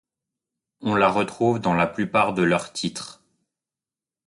On la retrouve dans la plupart de leurs titres.